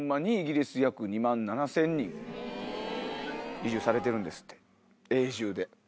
移住されてるんですって永住で。